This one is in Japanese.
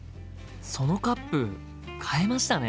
そのカップ変えましたね？